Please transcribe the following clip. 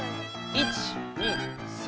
１２３。